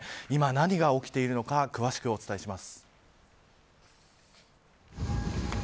今、何が起きているか詳しくお伝えします。